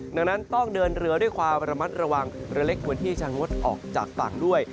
ดังนั้นต้องเดินเรือด้วยความระมัดระวังเรือเล็กควรที่จะงดออกจากฝั่งด้วย